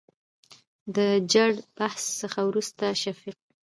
دجړبحث څخه ورورسته شفيق